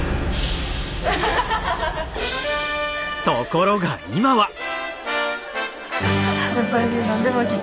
ところが今は！